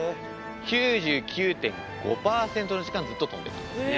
９９．５パーセントの時間ずっと飛んでたんですね。